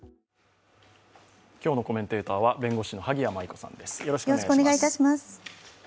今日のコメンテーターは弁護士の萩谷麻衣子さんです。